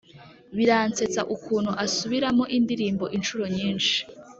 Biransetsa ukuntu asubiramo indirimbo inshuro nyinshi